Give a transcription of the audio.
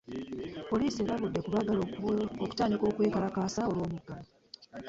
Poliisi erabudde ku baagala okutandika okwekalakaasa olw'omuggalo